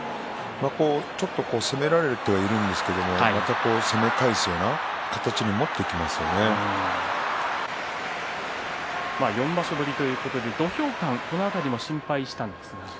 ちょっと締められてはいるんですが攻め返すような形に４場所ぶりということで土俵勘ちょっと心配したんですが。